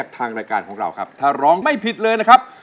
ทางรายการของเราครับถ้าร้องไม่ผิดเลยนะครับ